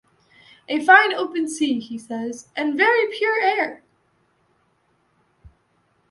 A fine open sea, he says, and very pure air.